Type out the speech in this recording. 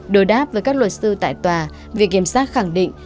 đối đáp với các luật sư tại tòa viện kiểm sát khẳng định